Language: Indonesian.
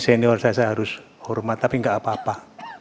senior saya harus hormat tapi enggak apa apa